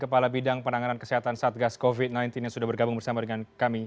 kepala bidang penanganan kesehatan satgas covid sembilan belas yang sudah bergabung bersama dengan kami